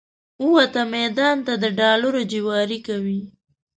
ووته میدان ته د ډالرو جواري کوي